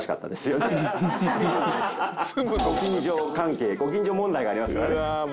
ご近所関係ご近所問題がありますからね。